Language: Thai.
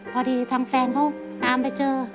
พอดีทางแฟนเขาตามไปเจอ